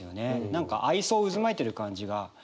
何か愛憎渦巻いてる感じが。